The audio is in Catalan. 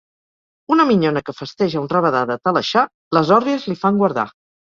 Una minyona que festeja un rabadà de Talaixà: les òrries li fan guardar.